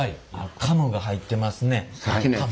カムが入ってますね。